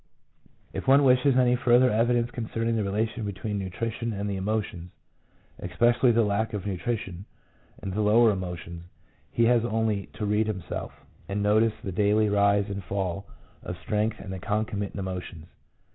If one wishes any further evidence concerning the relation between nutrition and the emotions, especially the lack of nutrition and the lower emotions, he has only to read himself, and notice the daily rise and fall of strength and the concomitant emotions.